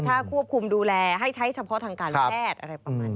ถ้าควบคุมดูแลให้ใช้เฉพาะทางการแพทย์อะไรประมาณนี้